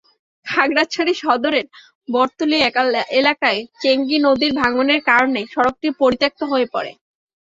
খাগড়াছড়ি সদরের বটতলী এলাকায় চেঙ্গী নদীর ভাঙনের কারণে সড়কটি পরিত্যক্ত হয়ে পড়ে।